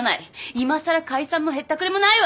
いまさら解散もへったくれもないわ！